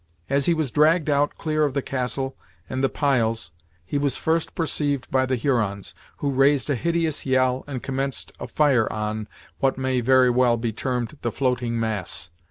As he was dragged out clear of the castle and the piles he was first perceived by the Hurons, who raised a hideous yell and commenced a fire on, what may very well be termed the floating mass.